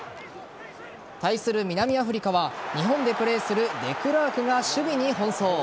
対する南アフリカは日本でプレーするデクラークが守備に奔走。